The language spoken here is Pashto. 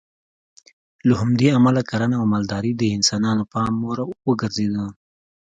له همدې امله کرنه او مالداري د انسانانو پام وړ وګرځېده.